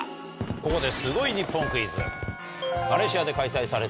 ここで。